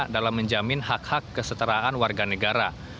dalam menjamin hak hak kesetaraan warga negara